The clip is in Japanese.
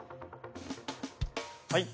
はい。